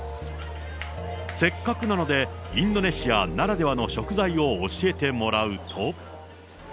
せっかくなので、インドネシアならではの食材を教えてもらうと。